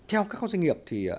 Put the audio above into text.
theo các con doanh nghiệp thì ạ